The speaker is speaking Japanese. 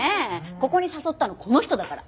ここに誘ったのこの人だから。